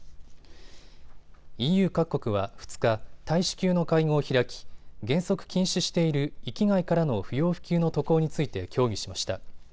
ＥＵ各国は２日、大使級の会合を開き原則禁止している域外からの不要不急の渡航について協議しました。